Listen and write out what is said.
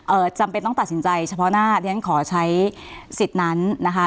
จำเป็นต้องตัดสินใจเฉพาะหน้าเรียนขอใช้สิทธิ์นั้นนะคะ